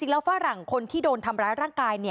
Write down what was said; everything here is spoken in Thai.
ขณะเดียวกันคุณอ้อยคนที่เป็นเมียฝรั่งคนนั้นแหละ